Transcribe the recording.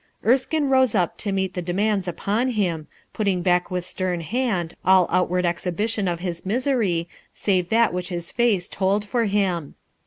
Erskine rose up to meet the demands Upoil him, putting back with stern hand all outward exhibition of his misery save that whitlh his face told for him.